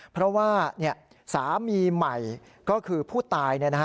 เพราะว่าสามีใหม่ก็คือผู้ตาย